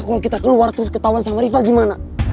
kalau kita keluar terus ketauan sama rifa gimana